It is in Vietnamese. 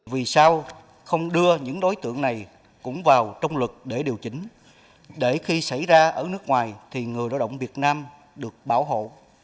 vì sao không đưa những đối tượng này cũng vào trong luật để điều chỉnh để khi xảy ra ở nước ngoài thì người lao động việt nam được bảo hộ